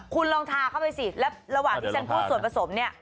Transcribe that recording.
คุณลองทาเข้าไปสิแล้วระหว่างที่ฉันพูดส่วนผสมเนี่ย